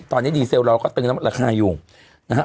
ตอนนี้ดีเซลเราก็ตึงราคาอยู่นะฮะ